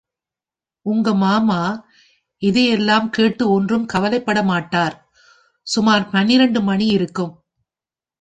உங்க மாமா இதையெல்லாம் கேட்டு ஒன்றும் கவலைப்பட மாட்டார்! சுமார் பன்னிரண்டு மணி இருக்கும்.